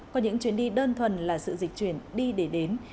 còn những chuyến đi đơn thuần là sự dịch chuyển đi đường